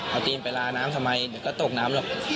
เวลาน้ำทำไมเดี๋ยวก็ตกน้ำหรอก